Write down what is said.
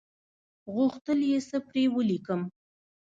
غوښتل یې څه پر ولیکم.